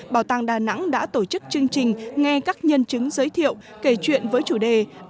bảo tàng đà nẵng đã tổ chức chương trình nghe các nhân chứng giới thiệu kể chuyện với chủ đề